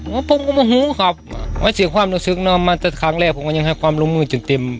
ผมก็โมโหครับมันเสียความรู้สึกเนอะมาแต่ครั้งแรกผมก็ยังให้ความรู้มือจนเต็ม